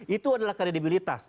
itu adalah kredibilitas